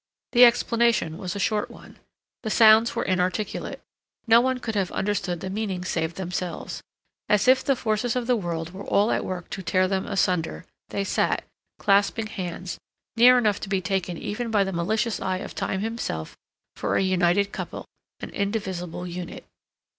The explanation was a short one. The sounds were inarticulate; no one could have understood the meaning save themselves. As if the forces of the world were all at work to tear them asunder they sat, clasping hands, near enough to be taken even by the malicious eye of Time himself for a united couple, an indivisible unit.